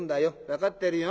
分かってるよ。